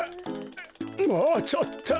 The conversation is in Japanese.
もうちょっと！